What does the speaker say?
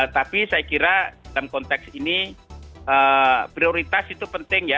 tapi saya kira dalam konteks ini prioritas itu penting ya